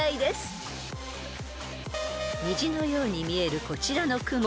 ［虹のように見えるこちらの雲］